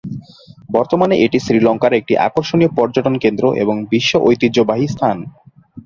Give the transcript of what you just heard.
বর্তমানে এটি শ্রীলংকার একটি আকর্ষণীয় পর্যটন কেন্দ্র এবং বিশ্ব ঐতিহ্যবাহী স্থান।